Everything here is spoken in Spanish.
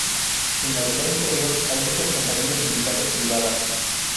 En la "Esfera Interior" hay muchas compañías militares privadas.